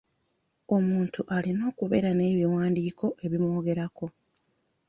Omuntu alina okubeera n'ebiwandiiko ebimwogerako.